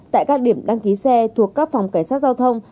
tại các điểm đăng ký xe thuộc các phòng cảnh sát giao thông